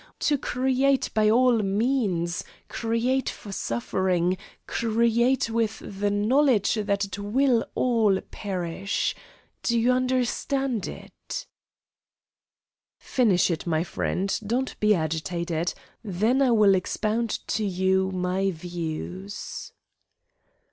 To create by all means, create for suffering create with the knowledge that it will all perish! Do you understand it?" "Finish it, my friend, don't be agitated; then I will expound to you my views."